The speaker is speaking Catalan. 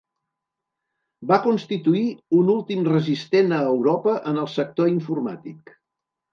Va constituir un últim resistent a Europa en el sector informàtic.